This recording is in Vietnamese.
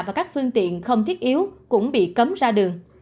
và các phương tiện không thiết yếu cũng bị cấm ra đường